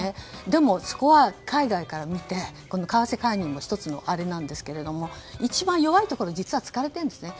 でも、そこは海外から見て為替介入も１つのあれなんですけど一番弱いところを実は突かれているんですね。